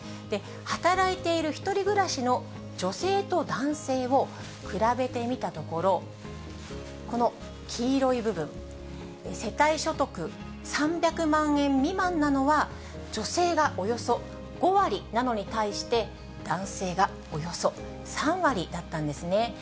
働いている１人暮らしの女性と男性を比べてみたところ、この黄色い部分、世帯所得３００万円未満なのは、女性がおよそ５割なのに対して、男性がおよそ３割だったんですね。